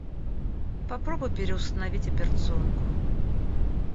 Попробуй переустановить операционку.